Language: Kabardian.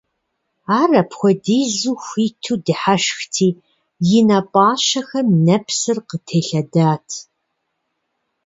Ар апхуэдизу хуиту дыхьэшхти, и нэ пӀащэхэм нэпсыр къытелъэдат.